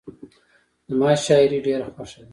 زما شاعري ډېره خوښه ده.